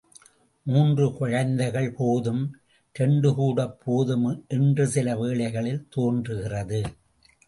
மூன்று குழந்தைகள் போதும், இரண்டுகூடப் போதும் என்று சில வேளைகளில் தோன்றுகிறது.